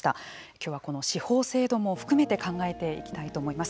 今日はこの司法制度も含めて考えていきたいと思います。